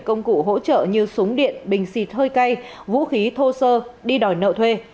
công cụ hỗ trợ như súng điện bình xịt hơi cay vũ khí thô sơ đi đòi nợ thuê